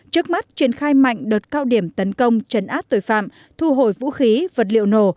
trước mắt triển khai mạnh đợt cao điểm tấn công chấn áp tội phạm thu hồi vũ khí vật liệu nổ